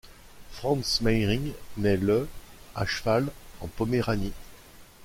Franz Mehring naît le à Schlawe en Poméranie.